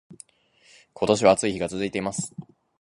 今年は暑い日が続いています